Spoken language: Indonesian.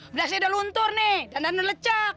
belasnya udah luntur nih dandan dandan lecak